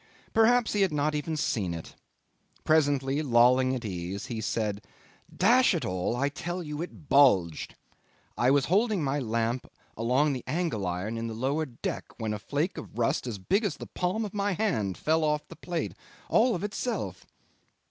Perhaps he had not even seen it. Presently, lolling at ease, he said, "Dash it all! I tell you it bulged. I was holding up my lamp along the angle iron in the lower deck when a flake of rust as big as the palm of my hand fell off the plate, all of itself."